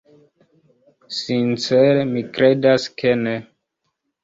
Sincere, mi kredas, ke ne.